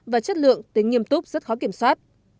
và chất lượng tính nghiêm túc rất khó kiểm soát